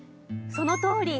そのとおり。